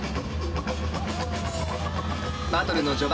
バトルの序盤